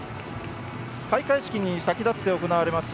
開会式に先立って行われます